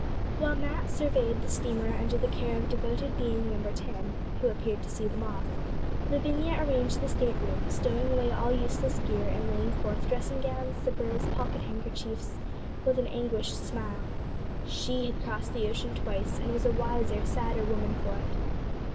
While Mat surveyed the steamer under the care of Devoted Being No. 10, who appeared to see them off, Lavinia arranged the stateroom, stowing away all useless gear and laying forth dressing gowns, slippers, pocket handkerchiefs, with an anguished smile. She had crossed the ocean twice, and was a wiser, sadder woman for it.